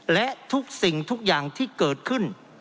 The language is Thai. และทุกสิ่งทุกอย่างที่เกิดขึ้น